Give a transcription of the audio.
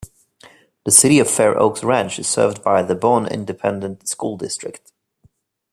The city of Fair Oaks Ranch is served by the Boerne Independent School District.